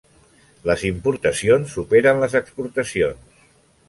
Les importacions superen les exportacions.